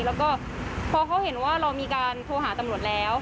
แล้วก็พอเขาเห็นว่าเรามีการโทรหาตำรวจแล้ว